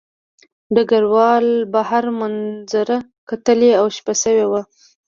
ډګروال بهر منظره کتله او شپه شوې وه